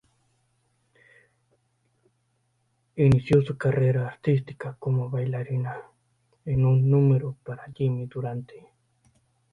Inició su carrera artística como bailarina en un número para Jimmy Durante.